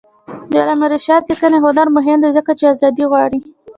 د علامه رشاد لیکنی هنر مهم دی ځکه چې آزادي غواړي.